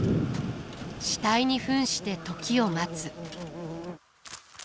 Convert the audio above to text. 死体に扮して時を待つ。